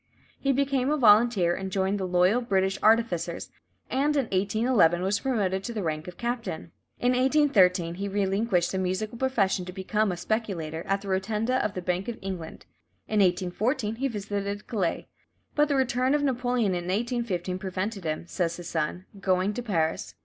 He became a volunteer, and joined the "Loyal British Artificers," and in 1811 was promoted to the rank of captain. In 1813 he relinquished the musical profession to become "a speculator at the rotunda of the Bank of England." In 1814 he visited Calais, but the return of Napoleon in 1815 prevented him, says his son, "going to Paris."